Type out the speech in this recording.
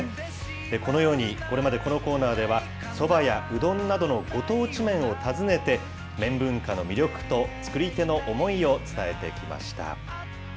このように、これまでこのコーナーでは、そばやうどんなどのご当地麺を訪ねて、麺文化の魅力と作り手の思いを伝えてきました。